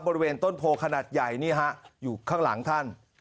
บริเวณต้นโพขนาดใหญ่นี่ฮะอยู่ข้างหลังท่าน